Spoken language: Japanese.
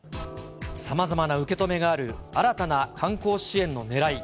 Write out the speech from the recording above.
さまざまな受け止めがある新たな観光支援のねらい。